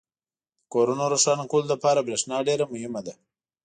• د کورونو روښانه کولو لپاره برېښنا ډېره مهمه ده.